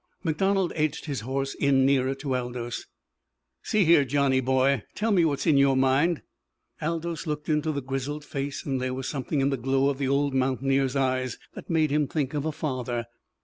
MacDonald edged his horse in nearer to Aldous. "See here, Johnny, boy tell me what's in your mind?" Aldous looked into the grizzled face, and there was something in the glow of the old mountaineer's eyes that made him think of a father.